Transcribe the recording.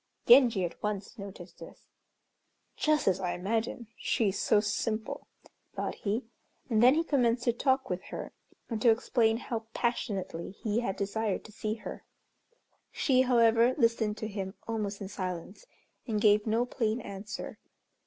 Genji at once noticed this. "Just as I imagined. She is so simple," thought he, and then he commenced to talk with her, and to explain how passionately he had desired to see her. She, however, listened to him almost in silence, and gave no plain answer.